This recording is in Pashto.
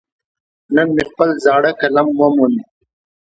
نن مې خپل زاړه قلم وموند.